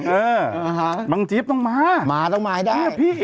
เออบังเจี๊ยบต้องมามาต้องมาให้ได้